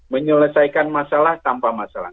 menyelesaikan masalah tanpa masalah